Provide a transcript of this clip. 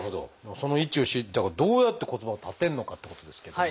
その位置をだからどうやって骨盤を立てるのかってことですけども。